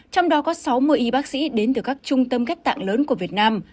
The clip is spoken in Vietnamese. trong đó có sáu mươi y bác sĩ đến từ các trung tâm ghép tạng lớn của việt nam